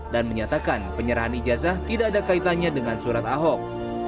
dan menyatakan penyerahan ijazah tidak ada kaitannya dengan surat ahok